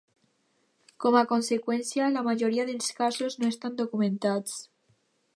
Com a conseqüència, la majoria dels casos no estan documentats.